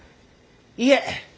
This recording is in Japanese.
いえ！